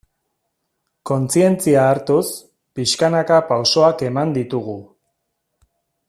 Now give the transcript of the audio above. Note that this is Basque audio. Kontzientzia hartuz, pixkanaka pausoak eman ditugu.